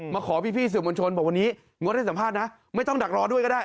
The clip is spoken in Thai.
มาขอพี่สื่อมวลชนบอกวันนี้งดให้สัมภาษณ์นะไม่ต้องดักรอด้วยก็ได้